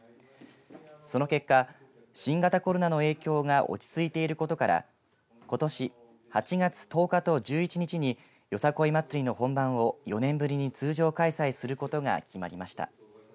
その結果、新型コロナの影響が落ち着いていることからことし８月１０日と１１日によさこい祭りの本番を４年ぶりに通常開催することが決まりました。